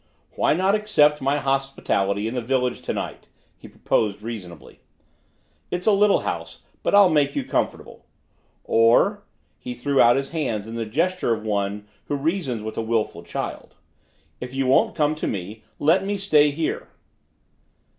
"Why not accept my hospitality in the village to night?" he proposed reasonably. "It's a little house but I'll make you comfortable. Or," he threw out his hands in the gesture of one who reasons with a willful child, "if you won't come to me, let me stay here!"